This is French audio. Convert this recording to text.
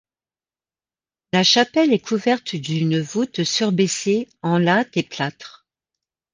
La chapelle est couverte d'une voûte surbaissée en lattes et plâtre.